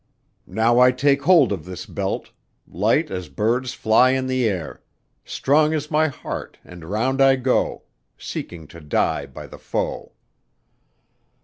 "Now I take hold of this belt, Light as birds fly in the air; Strong is my heart, and round I go, Seeking to die by the foe."